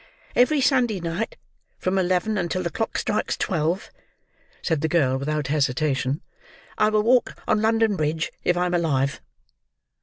"Every Sunday night, from eleven until the clock strikes twelve," said the girl without hesitation, "I will walk on London Bridge if I am alive."